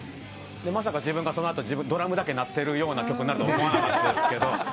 まさかその後ドラムだけ鳴ってるような曲になるとは思わなかったですけど。